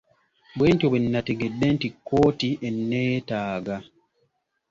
Bwentyo bwe nategedde nti kkooti enneetaaga.